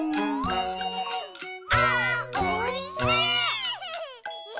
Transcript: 「あーおいしい！」